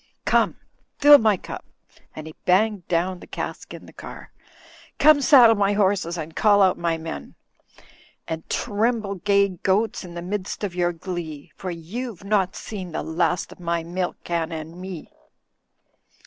Come, fill up my cup," and he banged down the cask in the car, "come saddle my horses and call out my men. And tremble, gay goats, in the midst of your glee; for you've no' seen the last of my milk can and me."